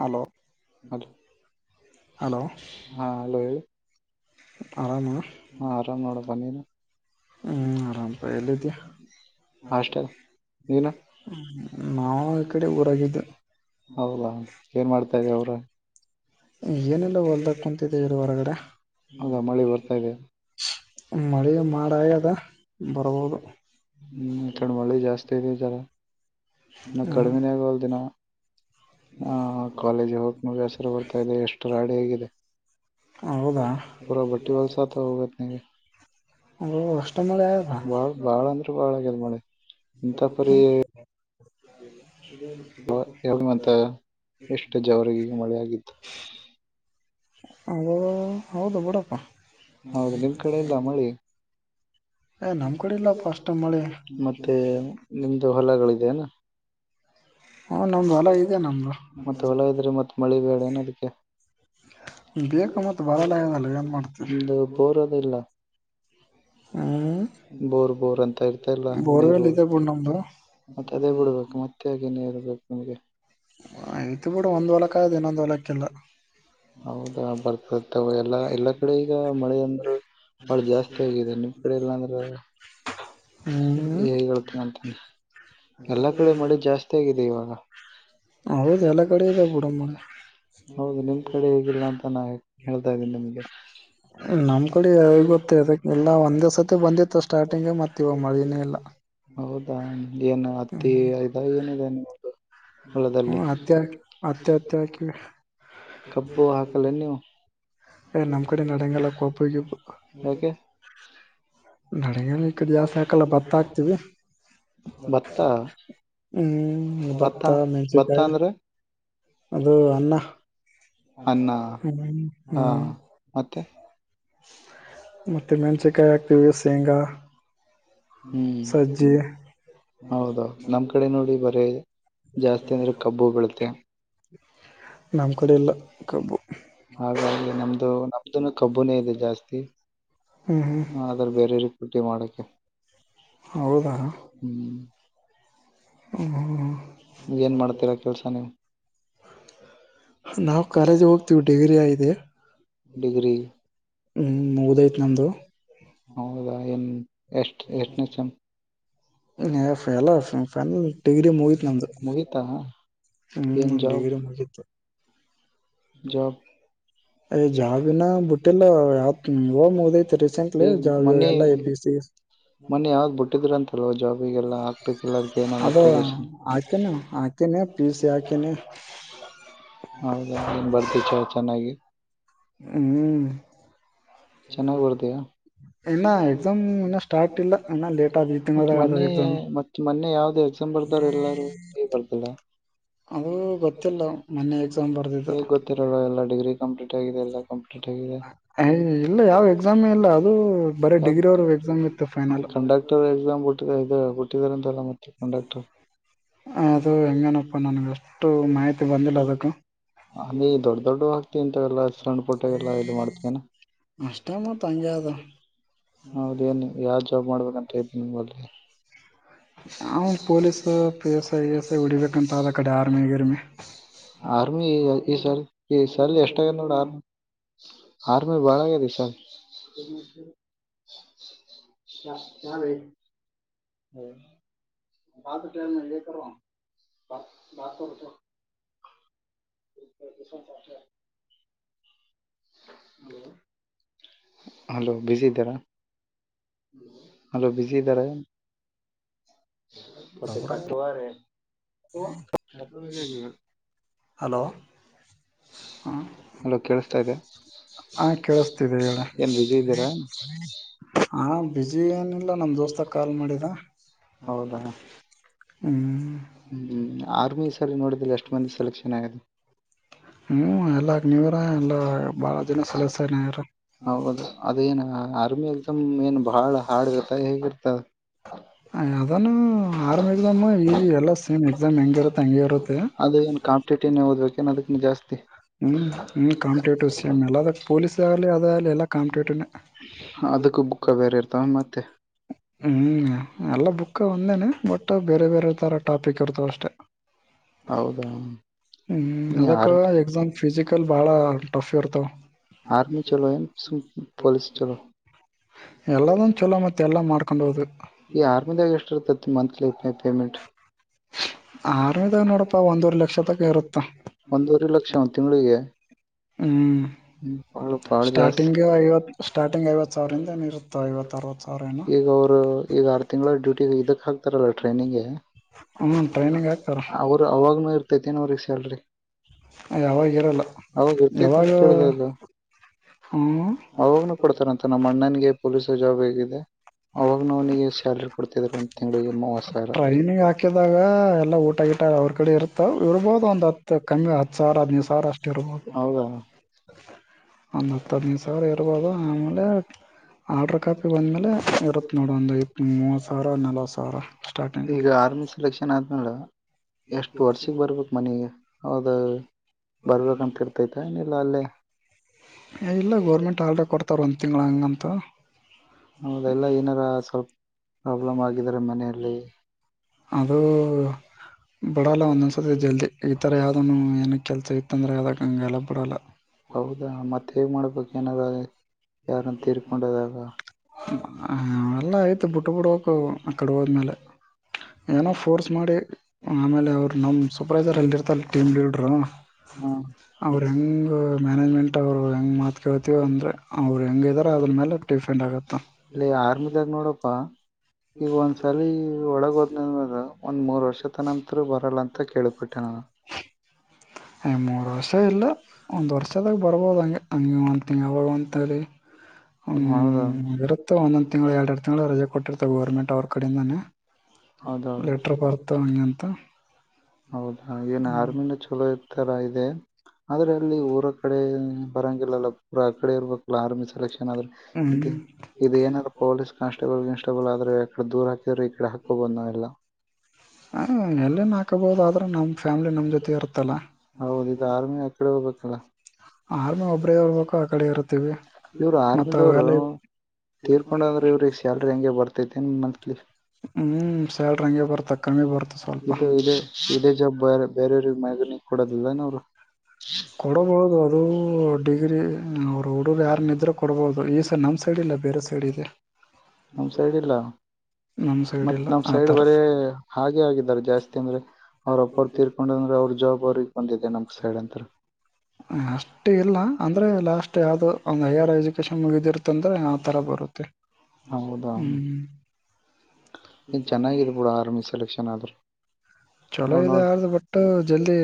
Hello hello ಹಾ hello ಹೇಳಿ. ಆರಾಮ ಹಾ ಆರಾಮ್ ನೋಡ ಬನ್ನಿನು. ಹ್ಮ್ ಆರಾಮಪಾ ಯಲಿದೀಯ ಹ ನಾವ ಈ ಕಡೆ ಊರಾಗಿದ್ದು ಹೌದಾ ಏನ್ ಮಾಡ್ತಾ ಇದ ಅವ್ರ. ಏನಿಲ್ಲ ಹೊಲ್ದ ಕುಂತಿದ್ದೇ ಇರು ಹೊರಗಡೆ ಮಳೆ ಮಾಡ ಹಾಗದ ಬರ್ಬೋದು ಹ್ಮ್ ಈ ಕಡೆ ಮಳೆ ಜಾಸ್ತಿ ಇದೆತರ ಕಡಿಮೆಯಗವಲ್ ದಿನ ಹ ಕಾಲೇಜಿಗೆ ಹೋಗ ಬಸರ ಬರ್ತಾ ಇದೆ ಎಷ್ಟ ರಾಡಿ ಹೇಗಿದೆ ಪೂ ಭಟ್ಟಿ ವಲ್ ಸಾ ಹೋಗ ಇನಗೆ ಹ ಅಷ್ಟಮಳ ಆದಾ [unintelligible] ಹೇಳು ಮತ್ತೆ ಜವರಿಗೆ ಮಳೆ ಆಗತ್ತು ಹೌ ಹೌದು ಬುಡಪ್ಪ ಹೌದು ನಿಮ್ ಕಡೆ ಇಲ್ಲ ಮಳಿ ಮತ್ತೆ ನಿಮ್ದು ಹೊಲಗಳಿದೆ ಇದೆ ಏನು ಮತ್ತೆ ಹೊಲ ಇದ್ರೆ ಮತ್ತ್ ಮಳೆ ಬಡ ಏನ ಅದಕ್ಕೆ ಒಂದು ಬೋರೋದಲ್ಲ ಬೋರ್ ಬೋರ್ ಅಂತರ್ತಿಯಲ್ಲ ನೀರು ಮತ್ತೆ ಅದೇ ಬಿಡ್ಬೇಕು ಮತ್ತೆ ಆಗನೇ ಇರ್ಬೇಕು ನಿಮ್ಗೆ ಆಯ್ತ ಬಿಡು ಒಂದ್ ಹೊಲಕ್ಕ ಆದದು ಇನ್ನೊಂದ್ ಹೊಲಕ್ಕ ಇಲ್ಲ ಹೌದಾ ಬರ್ತತ ಎಲ್ಲಾ ಎಲ್ಲಾ ಕಡೆ ಈಗ ಮಳೆ ಅಂದ್ರರು ಭಾಳ ಜಾಸ್ತಿ ಆಗಿದೆ ನಿಮ್ ಕಡೆ ಎಲ್ಲಾಂದ್ರ ಹೇ ಹಳ್ತೀನೆ ಅಂತನೆ ಎಲ್ಲಾ ಕಡೆ ಮಳೆ ಜಾಸ್ತಿ ಆಗಿದೆ ಇವಾಗ ಹೌದು ನಿಮ್ ಕಡೆ ಹೇಗಿಲ್ಲ ಅಂತ ನಾ ಹೇಳ್ತಾ ಇದ ನಿಮಗೆ ನಮ್ ಕಡೆ ಗೊತ್ತೆ ಅದಕ್ಕೆ ಎಲ್ಲ ಒಂದೇ ಸತಿ ಬಂದಿತ್ತು ಸ್ಟಾರ್ಟಿಂಗ್ಗೆ ಮತ್ತ ಇವ ಮಳಿನೇ ಇಲ್ಲ ಹೌದಾ ಏನ್ ಅತ್ತಿ ಇದ ಏನಿದೆ ನಿಮ ಹ್ಮ ಅತ್ಯ ಅತ್ಯ ಅತ್ಯಕ ಕಬ್ಬು ಹಾಕಲ್ಲ ನೀವು ಏ ನಮಕಡೆ ನಡೆಂಗಲ್ಲ ಕೊಪ ಬರಗಾಲಕ್ಕೆ ಜಾಸ್ತಿ ಹಾಕಲ್ಲ ಬತ್ತ ಆಕ್ತಿವಿ ಹ್ಮ್ ಬತ್ತ ಮಸ ಕ ಅದು ಅನ್ನ ಹ್ಮ ಹ್ಮ್ ಮತ್ತೆ ಮೆಣಚೆಕಾಯಿ ಹಾಕ್ತಿವ ಸೇಂಗಾ ಹ್ಮ್ ಹೌದ ನಮ್ ಕಡೆ ನೋಡಿ ಬರ ಜಾಸ್ತಿ ಅಂದ್ರೆ ಕಬ್ಬು ಬೀಳುತ್ತೆ ಹಾಗಾಗಿ ನಮ್ದು ನ ಅ ಕಬ್ಬುನೇ ಇದೆ ಜಾಸ್ತಿ ಆದ್ರ ಬೇರೆಯವ್ರ ಪಟ್ಟಿ ಮಾಡಕ ಹೌದ ಹ್ಮ ಹ್ಮ್್ಮ ಮಾಡ ನಾವು ಕಾಲೇಜ್ ಹೋಗ್ತೀವಿ ಡಿಗ್ರಿಗದೆ ಹ್ಮ್ ಮುಗುದೈತೆ ನಮ್ದು ಹೌದಾ ನ್ ಎಷ್ಟ ಎಷ್ಟನ ಚನ್ ಡಿಗ್ರಿ ಮುಗತ್ ನ್ದ ಹ್ಮ್ ಡಿಗ್ರಿ ಮುಗೀತು ಹ ಯ್ ಜಬಿನ ಬಿಟ್ಟಿಲ್ಲ ಯಾವತ್ ಮುದೈತಿ ರೀಸೆಂಟ್ಲಿ ಜ ಎಲ್ಲ ಎ ಪಿ ಸಿ ಮನೆಯಾವ್ದ್ ಬಿಟ್ಟಿದ್ರ ಅಂತಲ್ವಾ ಜಾಬಿಗೆಲ್ಲಾ ಕಲಿದ್ದ ನಲ್ಲೆ ಗಸ ಹೌದಾ ಏನ್ ಬರ್ದ ಚ ಚೆನ್ನಾಗಿ ಹ್ಮ್ ಚೆನ್ನಾಗ್ ಬರ್ದಯ ಮತ್ತ ಮೊನ್ನೆ ಮತ್ತ ಮೆ ಯಾವ್ದೇ ಎಕ್ಸಾಮ್ ಬರ್ದವರು ಎಲ್ಲರೂ ಬರ್ದಿಲ್ಲ ಹೇಗ್ ಗೊತ್ತಿರಲ್ವಾ ಎಲ್ಲ ಡಿಗ್ರಿ ಕಂಪ್ಲೀಟ್ ಆಗಿದೆ ಎಲ್ಲಂ ದೆ ಕಂಡಕ್ಟರ್ ಎಕ್ಸಾಮ್ ಕೊಟ್ಟಿದೆ ಕುಟ್ಟಿ ತರಂತಲ್ಲ ಮತ್ತೆ ಕಂಡಾಕ್ಟರ್ ಅದು ಹೆಂಗನಪ್ಪಾ ನನ್ಗೆ ಅಷ್ಟು ಮಾಹಿತಿ ಬಂದಿಲ್ಲ ಅದಕ್ಕ ಅ ನೀ ದೊಡ್ಡ ದೊಡ್ಡ ಆಗ್ತತಿಂತವೆ ಎಲ್ಲ ಸಣ್ಣ ಪುಟಾಗಲ್ಲ ಇದು ಮಾಡ್ತನಾ ಹೌದೇನು ಯಾವ ಜಬ ಮಾಡ ಮಾಡ್ಬೇಕಂತ ಇದ್ದ ನಿಲ ನಾ police P S I A S I ಉಡಿಬೇಕಂತ ಅ ಕಡೆ ಆರ್ಮಿಗಿರ್ಮಿ ಆರ್ಮಿ ಈ ಸರ್ ಈ ಸರ್ ಎಷ್ಟಗ ನೋಡ ಆರ್ಮಿ ಆರ್ಮಿ ಬಳಗತಿ ಸರ್ ಹ ಹ ಹ್ಮ ಬಟಕ ಬ ಬತ ಹಲೋ ಬಿಜಿ ಇದ್ದಾರಾ ಅಲೋ ಬಿಸಿ ದರೇ ಮತ್ತೆ ಕಟ್ವಾರೆ ಕ ಕ ಹಲೋ ಹ್ಮ ಹ ಕೇಳಸ್ತಿದೆ ಹೇಳ ಹೌದಾ ಹ್ಮ್ ಹ್ಮ ಆರ್ಮಿ ಸರಿ ನೋಡಿದ್ರಲ್ಲಿ ಎಷ್ಟು ಮಂದಿ ಸೆಲೆಕ್ಷನ್ ಆಗದು ಹ್ಮ ಎಲ್ಲಗ ನೀವ್ರ ಎಲ್ಲ ಬಹಳ ಜನ ಸಲಸ್ಯನ್ರ ಅದೇಏನ್ ಅರ್ಮಿಯಲ್ ತಮ ಏನ್ ಬಾಳ ಹಾಡ್ ಇರ್ತ ಹೇಗಿರ್ತ ಅದು ಕಾಮ ಟಿನ ಓದ್ಬೇಕೇಏ ಅದಕ್ಕ ಜಾಸ್ತಿ ಹ್ಮ್ ಹ್ಮ್ ಕಾಂಪಿಟೇಟಿವ್ ಸೇಮ್ ಎಲ್ಲದ ಪೊಲೀಸ್ ಆಗ್ಲಿ ಅದಾಗಗ್ಲಿ ಎಲ್ಲ ಕಾಂಪಿಟೇಟಿವ್ನ ಅದುಕ್ಕೆ ಬುಕ್ಕ ವರೆ ಇತಾ ಹ್ಮ್ ಎಲ್ಲ ಬುಕ್ ಒಂದೇನೆ ಬಟ್ ಬೇರೆ ಬೇರೆ ತರ ಟಾಪಿಕ್ ಇರ್ತಾವ ಅಷ್ಟೇ ಹೌದಾ ಹ್ಮ್ ಅದಕ್ಕ ಎಕ್ಸಾಮ್ ಫಿಸಿಕಲ್ ಬಾಳ ಟಫ್ ಇರ್ತಾವ ಆರ್ಮಿ ಚಲೋ ಎಏನ್ ಪೊಲಿಸ ಚಲೋ ಎಲ್ಲದಂದು ಚಛಲ ಮತ್ತೆ ಎಾ ಮಾಡ್ಕೊಂಡ ಕೊಂಡ ಹೋದು ಆರಮಿದಾಗ ನೋಡಪ್ಪಾ ಒಂದೂವರ್ ಲಕ್ಷ ತಕ ಇರುತ್ತ ಒಂದೂವರೆ ಲಕ್ಷ ಒ ತಿಂಗಳಿಗೆ ಹ್ಮ್ ಸ್ಟಾರ್ಟಿಂಗ್ಗೆ ಐವತ್ ಸ್ಟಾರ್ಟಿಂಗ್ ಐವತ್ ಸಾವಿರಿಂದ ಏನ ಇರುತ್ತ ಹತ್ತ ಐವತ್ತುತ್ತ ಅರವತ್ತು ಸಾವಿನಾ ಈಗ ಆರು ತಿಂಗಳಳ ಡ್ಯೂಟಿ ಇದಕ್ ಹಾಕ್ತಾರಲ್ಲ ಟ್ರೈನಿಂಗಗೆ ಅವರು ಅವಾಗ್ನುಇರ್ತೈತಿನ ಅವ್ರಿಗೆ ಸ್ಯಾಲ್ರಿ ಅವಾಗ ಇರ್ತತ್ತು ಅಂತ ಕೇಳ್ದಲ್ಲ ಅವವಾಗನು ಕೊಡ್ತಾರಂತ ನಮ್ಮ ಅಣ್ಣನಗೆ ಪೊಲೀಸ ಜಾಬ್ ಹೇಗಿದೆ ಟ್ರೈನಿಗೆ ಹಾಕಿದಾಗ ಎಲ್ಲಾ ಊಟಗ ಅವ್ರ ಕಡೆ ಇತಾವ ಇರಬಹುದು ಒಂದ ಹತ್ತು ಕಮ್ಮಿ ಹತ್ತು ಸಾವರ ಹದಿನೈದು ಸಾವಿರ ಅಷ್ಟ ಇರಬಹುದು ಹೌದಾ ಅಂದ ತದಮೀಸರು ಇಬೋದು ಆಮೇಲೆ ಆರ್ಡ್ರ ಕಾಪಿ ಬಂದಮೇಲೆ ಇರುತ್ತೆ ನೋಡಿ ಒಂದು ಐದು ಮೂವತ್ತು ಸಾವಿರ ನಲ್ವತ್ತು ಸಾವಿರ ಸ್ಟಾರ್ಟಿಂಗ್ ಸೆಲೆಕ್ಷನ್ ಆದನ ಎಷ್ಟು ವರ್ಷಕ್ಕೆ ಬರ್ಬೇಕು ಮನೆಗೆ ಹೌದ ಬರ್ಬೇಕಂತ ಇರ್ತೈತ ಏನಿಲ್ಲ ಅಲ್ಲೇ ಇಲ್ಲ ಗೋರ್ಮೆಂಟ್ ಆಲ್ಡೆ ಕೊಡ್ತಾರ ಒಂದು ತಿಂಳ ಹಂಗಂತ ಹೌದೆಲ್ಲ ಏನಾರ ಸ್ವಲ್ಪ ಪ್ರಾಬ್ಲಮ್ ಆಗಿದಿದ್ದಾರೆ ಮನೆಯಲ್ಲಿ ಅದುೂ ಬಿಡಲ್ಲ ಒಂದೊಂದ್ಸತಿ ಜಲ್ದಿ ಈ ತರ ಯಾವ್ದ ಏನ ಕೆಲಸ ಇತ್ತಂದ್ರೆ ಅದಕ್ಕ ಹಂಗಗೆಲ್ಲ ಬರಲ ಹೌದಾ ಮತ್ತೆ ಹೇಗ್ ಮಾಡ್ಬೇಕ ಏನಾರ ಯಾರಂತ ತಿರ್ಕೊಂಡದಾಗ ಹ ಎಲ್ಲ ಐ್ತ ಬುಟ್ಟ ಬುಡೋಕು ಅಕಡೆ ಹೋದ್ಮೇಲೆ ಏನೋ ಫೋರ್ಸ್ ಮಾಡಿ ಆಮೇಲೆ ಅವರು ನಮ್ಮ ಸುಪ್ರೈಸರ್ ಅಲ್ಲಿ ಇರ್ತಾರೆ ಟೀಮ್ ಲೀಡ್ರು ಅವರು ಹೆಂಗ್ ಮ್ಯಾನೇಜ್ಮೆಂಟ್ ಅವರು ಹೆಂಗೆ ಮಾತಕೇಳ್ತೀವಿ ಅಂದ್ರೆ ಅವ್ರು ಹೆಂಗಿದಾರೆ ಅದ್ರ ಮೇಲೆ ಡಿಫೆಂಡ್ ಆಗುತ್ತೆ ಇಲ್ಲಿ ಆರ್ಮಿದಾಗ ನೋಡಪ್ಪಾ ಈಗ ಒಂದ್ಸಲಿ ಒಳಗ ಹೋದ್ನದು ಒಂದು ಮೂರು ವರ್ಷದ ನಂತರೂ ಬರಲ್ಲಂತ ಕೇಳಿಬಿಟ್ಟೆ ನಾನು ಹ ಮೂರು ವರ್ಷ ಇಲ್ಲ ಒಂದು ವರ್ಷದಾಗ ಬರ್ಬೋದು ಹಂಗೆ ಹಂಗೆ ಒಂದು ತಿಂಗಳ ಯಾವಾಗ ಅಂತೇಳಿ ಹೌದಾ ಇರುತ್ತು ಒಂದೊಂದ್ ತಿಂಗಳು ಎರ ಎರಡು ತಿಂಗಳು ರಜೆ ಕೊಟ್ಟಿರ್ತಾವ ಗೌರ್ಮೆಂಟ್ ಅವ್ರ ಕಡಿಂದಾನೇ ಲೆಟರ್ ಬರ್ತವಾಗಿನಂತ ಹೌದಾ ಏನ್ ಆರ್ಮಿನ ಚಲೋ ತರ ಇದೆ ಆದ್ರೆ ಅಲ್ಲಿ ಊರ ಕಡೆ ಬರಂಗಿಲ್ಲಲ್ಲ ಪೂರ ಆ ಕಡೆ ಇರ್ಬೇಕಲ್ಲ ಆರ್ಮಿ ಸೆಲೆಕ್ಷನ್ ಇದ ಇ ಏನಾದರು ಪೊಲೀಸ್ ಕಾನ್ಸ್ಟೇಬಲ್ ಗಿನ್ಸ್ಟೇಬಲ್ ಆದ್ರೆ. ದೂರ್ ಹಾಕಿದ್ರರು ಈ ಕಡೆ ಹಾಕೋಬ ಬಂದ ನಾವ ಎಲ್ಲ ಹ ಎಲ್ಲನ್ ಹಾಕಬಹದು ಆದ್ರೆ ನಮ್ ಫ್ಯಾಮಿಲಿ ನಮ್ ಜೊತೆ ಇರುತ್ತಲ್ಲ ಳ ಆರ್ಮಿ ಒಬರೇ ಹರ್ಬೇಕು ಆ ಕಡೆ ಇರ್ತೀವಿ ಮತ್ತ ಅವೆಲ್ಲ ತೀರ್ಕೊಂಡಂದ್ರೆ ಇವ್ರಿಗೆ ಸ್ಯಾಲ್ರಿ ಹಂಗೆ ಬರ್ತೈತೆ ಮಂತ್ಲಿ ಇದು ಇ ಜ ಬ ಬೇರೆವ ಕೊಡೋದಿಲ್ಲಏ ಅವ್ರು ಕೊಡಬಹುದು ಅದು ಡಿಗ್ರಿ ಅವ್ರ ಹುಡುಗ ಯಾರ ನಿದ್ರೆ ಕೊಡಬಹದು ಈ ಸ ನಮ್ಮ ಸೈಡ್ ಇಲ್ಲ ಬೇರೆ ಸೈಡ್ ಇದೆ ನಮ್ ಸೈಡ್ ಇಲ್ಲ. ಮತ್ತ್ ನಮ್ ಸೈಡ್ ಬರೇ ಹಾಗೆ ಆಗಿದ್ದಾರೆ ಜಾಸ್ತಿ ಅಂದ್ರೆ ಅವ್ರ ಒಪ್ಪ ಅವರು ತೀರ್ಕೊಂಡಂದ್ರೆ ಅವ್ರ ಜಾಬ್ ಅವ್ರಗ್ ಬಂದಿದೆ ನಮಕ್ ಸೈಡ್ ಅಂತ್ರ ಅಷ್ಟೇ ಇಲ್ಲ ಅಂದ್ರೆ ಲಾಸ್ಟ್ ಯಾವ್ದೋ ಒಂದ್ ಹೈಯರ್ ಎಜುಕೇಶನ್ ಮುಗಿದಿರುತ್ತ ಅಂದ್ರೆ ಆತರ ಬರುತ್ತೆ. ಹ್ಮ ಹ್ಮ. ಇನ್ ಚೆನ್ನಿದ ಬಿಡ ಆರ್ಮಿ ಸೆಲೆಕ್ಷನ್ ಆದ್ರ. ಚಲೋ ಇದೆ ಆದ್ದ ಬಟ್ಟು ಜಲ್ದಿ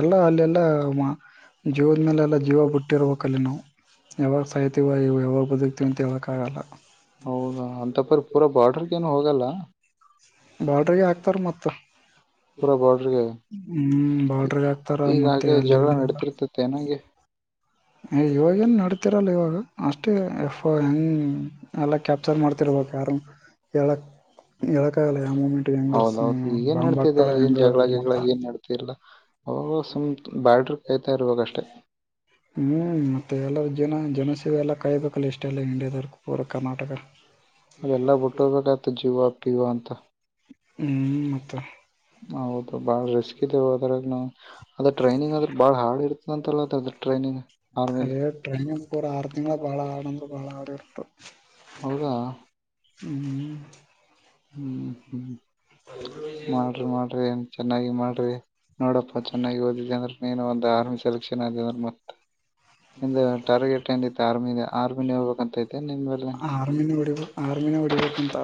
ಎಲ್ಲ ಅಲ್ಲೆಲ್ಲಾ. ಜೀವದ ಮೇಲೆಲ್ಲ ಜೀವ ಬಿಟ್ಟಿರಬೇಕಲ್ಲಿ ನಾವು. ಯಾವಾಗ ಸಾಯತಿವ ಇವು ಯಾವಾಗ ಬದುಕ್ತಿವ ಅಂತ ಹೇಳಕ್ ಆಗಲ್ಲ. ಹೌದಾ ಅಂತಪ್ಪರಿ ಪೂರಾ ಬಾರ್ಡರ್ಗ ಏನು ಹೋಗಲ್ಲ. ಬಾಡ್ರಿಗೆ ಹಾಕ್ತಾರೆ ಮತ್ತ. ಹ್ಮ್ ಬಾರ್ಡರ್ಗೆ ಹಾಗ್ತಾರ ಮತ್ತೆ ಅಲ್ಲಿ. ಇವಾಗೇನ್ ನಡ್ತಿರಲ್ಲ ಇವಾಗ ಅಷ್ಟೇ ಎಫ್ಂಗ ಎಲೆ. ಕ್ಯಾಪ್ಚರ್ ಮಾಡ್ತಿರ್ಬೇಕ ಯಾರು ಹೇಳಕ್. ಹೌದೌದು ಈಗೇನ್ ನಡ್ತಿದೆ ಏನ್ ಜಗಳ ಜಗಳ ಏನ್ ನಡ್ತಿಲ್ಲ. ಅವಾಗ ಸುಮತ್ ಬ್ಯಾಡ್ರ ಕಾಯತಾ ಇರಬೆಕಷ್ಟೆ. ಹ್ಮ್ ಮತ್ತೆ ಎಲ್ಲರ ಜನ ಜನಸೇವೆ ಎಲ್ಲ ಕಾಯಬೇಕಲ್ಲ ಎಷ್ಟೆಲ್ಲ ಇಂಡಿಯಾದವರು. ಪೂರ ಕರ್ನಾಟಕ. ಅದೆಲ್ಲ ಬಿಟ್ಟ ಹೋಗ್ಬೇಕಾಯ್ತು ಜೀವ ಪೀವ ಅಂತ. ಹ ಬಳ ರಿಸ್ಕ್ ಇದೆ ಅದರಾಗ. ಅದ ಟ್ರೈನಿಂಗ್ ಅದ್ರ ಬಾಳ್ ಹಾರ್ಡ್ ಇರ್ತಾ ಅಂತಲ್ಲ ಅದ ಅದ್ರ ಟ್ರೈನಿಂಗ್. ಏ ಟ್ರೈನಿಂಗ್ ಪೂರ ಆರು ತಿಂಗಳ ಬಾಳ ಹಾರ್ಡ್ ಬಾಳ ಹಾರ್ಡ್ ಇರುತ್ತಾ. ಹೌದಾ. ಹ್ಮ್. ಹ್ಮ್ ಹ್ಮ್ ಮಾಡ್ರಿ ಮಾಡ್ರಿ ಎ. ಚೆನ್ನಾಗಿ ಮಾಡ್ರಿ ನೋಡಪ್ಪಾ ಚೆನ್ನಾಗಿ ಓದಿದೆ ಅಂದ್ರೆ ನೀನು ಒಂದ. ಆರ್ಮಿ ಸೆಲೆಕ್ಷನ್ ಆ ಮತ್ತ. ನಿಂದ ಟಾರ್ಗೆಟ್ ಏನಾಯ್ತಿ ಆರ್ಮಿ ಆರ್ಮಿನ ಹೋಗ್ಬೇಕಕ್ಂತೈಐತೆ ನಿನ್ ಬರ್ದೇನೆ. ಹೊಡಿಬೇಕಂತ.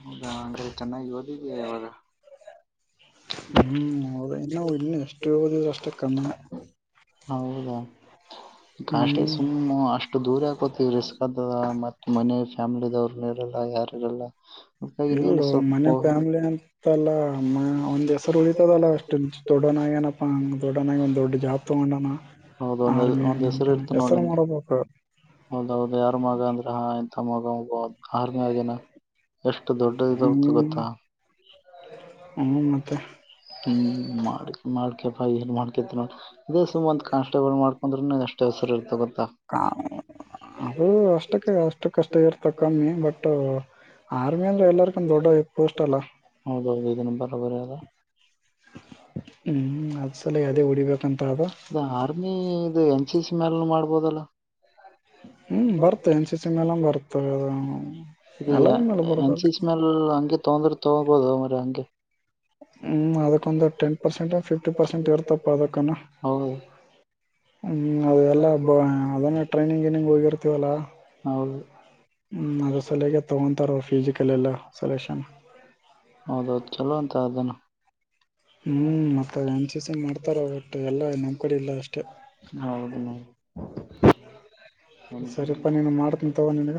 ಹೌದಾ ಅಂದ್ರೆ ಚೆನ್ನಾಗಿ ಓದಿದ್ಯಾ ಇವಾಗ. ಹ್ಮ್ ಅದ ಇನ್ನು ಇಲ್ಲ ಎಷ್ಟು ಜಾಸ್ ಕಮ್ಮಿನೆ. ಹೌದಾ. ಅಷ್ಟೆ ಸುಮ್ಮ್ ಅಷ್ಟು ದೂರ ಹಾಕೋತವಿ ರಿಸ್ಕ್ ಅದು ಮತ್ ಮನೆ ಫ್ಯಾಮಿಲಿದವ್ರು ಇರಲ್ಲ ಯಾರ ಇರಲ್ಲ. ಇಲ್ಲೊ ಮನೆ ಫ್ಯಾಮಿಲಿ ಅಂತಲ್ಲ ಅವನದು ಹೆಸರು ಉಳಿತದಲ್ಲ ಅಷ್ಟು ತೊಡೋಣ. ನ ಏನಪ್ಪಾ ದೊಡ್ಡನ ಒಂದ ದೊಡ್ಡ ಜಾಬ್ ತಗೊಂಡಾನ. ಆರ್ಮಿಂತ ಹೆಸರು ಮಾಡಬೇಕು. ಹೌದೌದು ಯಾರ ಮಗ ಅಂದ್ರೆ ಹಾ ಇಂಥ ಮಗ ಹೋಗಬೋ ಆರ್ಮಿ ಆಗೇನ. ಎಷ್ಟು ದೊಡ್ಡದತ್ತು ಗೊತ್ತಾ. ಹ್ಮ್ ಮಾಡ್ಕ ಮಾಡ್ಕಪಾ ಏನ್ ಮಾಡ್ಕೇತಿ ನೋಡ ಇದೇ ಸುಮತ್ ಕಾನ್ಸ್ಟೇಬಲ್ ಮಾಡ್ಕೊಂಡ್ರ ಅಷ್ಟೇ ಹೇಸರ ಇರ್ತ ಗೊತ್ತಾ ಅದು ಅಷ್ಟಕ್ಕೆ ಅಷ್ಟಕ್ಕಷ್ಟ ಇರ್ತ ಕಮ್ಮಿ ಬಟ್ ಹೌದೌದು ಇ. ಬರಬರದ. ಇ ಆರ್ಮಿ ಇದು ಎ. ಮ ಸ್ಮೆಲ್ ಮಾಡ್ಬೋದಲ್ಲಾ. ಹ್ಮ್ ಬರ್ತ ಎನ್ ಸಿ ಸಿ ಮೇಲಂಗ ಬರ್ತ ಅದ. ಇದ ಎನ್ ಸಿ ಸಿ ಮೇಲ್ ಹಂಗೆ ತೊಗೊಂಡ್ರೂ ತಗೋಬೋದು ಮಾರ್ರೆ ಹಂಗೆ. ಹ್ಮ್ ಅದಕ್ಕೊಂದು ಟೆನ್ ಪರ್ಸೆಂಟ್ ಫಿಫ್ಟಿ ಪರ್ಸೆಂಟ್ ಇರ್ತಪ್ಪ ಅದಕಾನ. ಹ್ಮ್ ಅದೆಲ್ಲ ಬ ಅದನ್ನ ಟ್ರೈನಿಂಗ್ ಏನಿಂಗ್ ಹೋಗಿರ್ತವಲ್ಲಾ. ಹ್ಮ್ ಅದ್ರ ಸಲಗೆ ತಗೊಂತಾರ ಫಿಸಿಕಲ್ ಎಲ್ಲ ಸೆಲೆಕ್ಷನ್. ಹೌದೌದು ಚಲೋ ಅಂತ ಅದನ್ನು ಹ್ಮ್ ಮತ್ತ ಎನ್ ಸಿ ಸಿ ಮಾಡ್ತಾರ ಒಟ್ ಎಲ್ಲ ನಮ್ ಕಡೆ ಇಲ್ಲ ಅಷ್ಟೇ ಹೌದು [unintelligible] ಸರಿಪ್ಪಾ ನೀನಗ ಮಾಡ್ತಿ ತೋ ನೀನ್ಗ